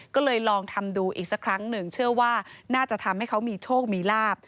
ก็เลยลองทำดูอีกสักครั้งหนึ่งเชื่อว่าน่าจะทำให้เขามีโชคมีลาบ